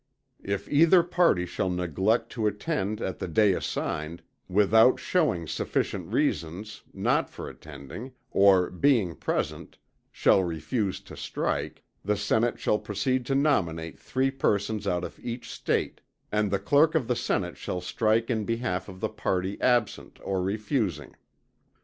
If either party shall neglect to attend at the day assigned, without shewing sufficient reasons for not attending, or, being present, shall refuse to strike, the Senate shall proceed to nominate three persons out of each State, and the clerk of the Senate shall strike in behalf of the party absent or refusing.